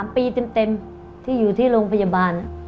๓ปีเต็มที่อยู่ที่โรงพยาบาล